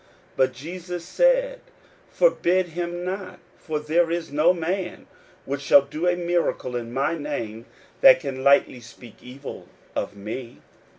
41:009:039 But Jesus said, Forbid him not: for there is no man which shall do a miracle in my name, that can lightly speak evil of me.